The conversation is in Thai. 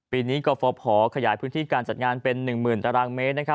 ปีนี้กรฟภขยายพื้นที่การจัดงานเป็น๑๐๐๐ตารางเมตร